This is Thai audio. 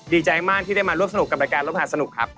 ดีใจมากที่ได้มาร่วมสนุกกับรายการร่วมหาสนุกครับ